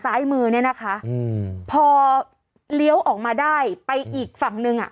ซ้ายมือเนี่ยนะคะอืมพอเลี้ยวออกมาได้ไปอีกฝั่งหนึ่งอ่ะ